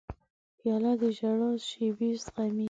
پیاله د ژړا شېبې زغمي.